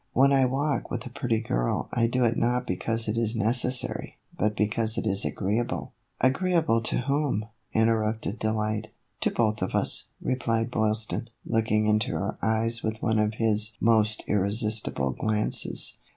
When I walk with a pretty girl I do it not because it is necessary, but because it is agreeable." " Agreeable to whom ?" interrupted Delight. " To both of us," replied Boylston, looking into her eyes with one of his most irresistible glances.